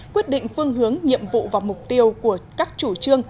quyết định phương hướng nhiệm vụ và mục tiêu của các chủ trương